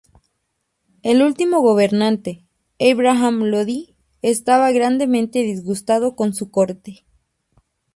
El último gobernante, Ibrahim Lodi, estaba grandemente disgustado con su corte.